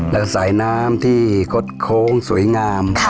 และสายน้ำที่คดโค้งสวยงาม